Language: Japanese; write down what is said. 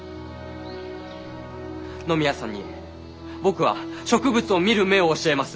野宮さんに僕は植物を見る目を教えます！